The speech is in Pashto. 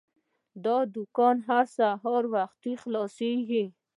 دا دوکان هر سهار وختي خلاصیږي.